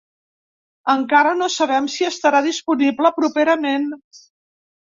Encara no sabem si estarà disponible properament.